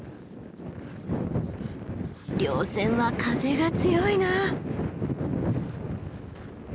稜線は風が強いなあ。